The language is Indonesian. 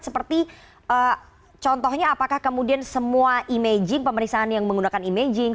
seperti contohnya apakah kemudian semua imaging pemeriksaan yang menggunakan imaging